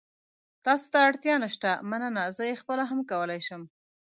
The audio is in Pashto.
تاسو ته اړتیا نشته، مننه. زه یې خپله هم کولای شم.